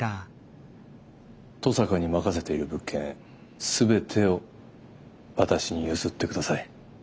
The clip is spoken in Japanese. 登坂に任せている物件全てを私に譲ってください。